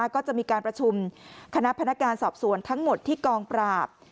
ก็จะมีการประชุมคณะพนักการสอบสวนทั้งหมดที่กองปราบ